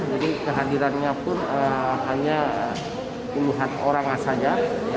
jadi kehadirannya pun hanya puluhan orang saja